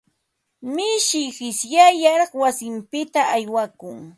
Mishi qishyayar wasinpita aywakun.